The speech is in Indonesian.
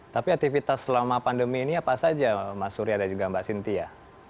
tapi aktivitas selama pandemi ini apa saja mas surya dan juga mbak sintia